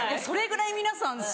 それぐらい皆さん